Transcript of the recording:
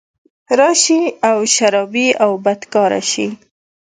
راشي او شرابي او بدکرداره شي